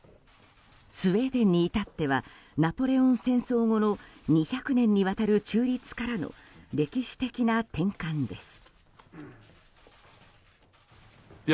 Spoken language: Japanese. スウェーデンに至ってはナポレオン戦争後の２００年にわたる中立からの歴史的な転換です。